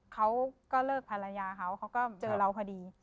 เขาก็เลิกภรรยาเขาเขาก็เจอเราพอดี